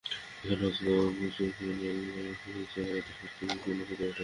এতে হযরত আবু সুফিয়ান রাযিয়াল্লাহু আনহু এর চেহারাতে স্বস্তির চিহ্ন ফুটে ওঠে।